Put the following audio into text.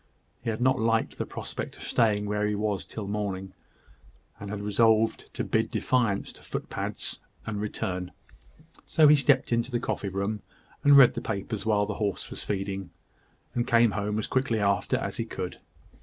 He had not liked the prospect of staying where he was till morning, and had resolved to bid defiance to footpads, and return: so he stepped into the coffee room, and read the papers while the horse was feeding, and came home as quickly after as he could.